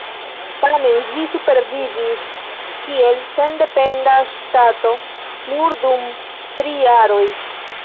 Tamen ĝi supervivis kiel sendependa ŝtato nur dum tri jaroj.